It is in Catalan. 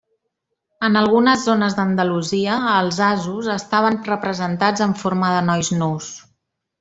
En algunes zones d'Andalusia, els asos estaven representats en forma de nois nus.